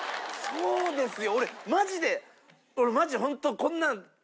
そうですよ！